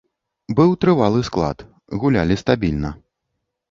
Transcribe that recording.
Быў трывалы склад, гулялі стабільна.